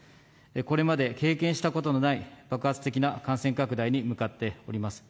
これまで経験したことのない、爆発的な感染拡大に向かっております。